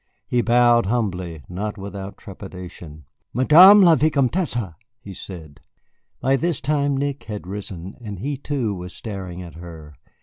He bowed humbly, not without trepidation. "Madame la Vicomtesse!" he said. By this time Nick had risen, and he, too, was staring at her.